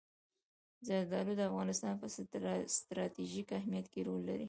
زردالو د افغانستان په ستراتیژیک اهمیت کې رول لري.